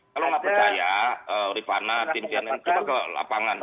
kalau nggak percaya rifana tim cnn coba ke lapangan